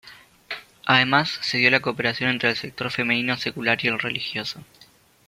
Además se dio la cooperación entre el sector femenino secular y el religioso.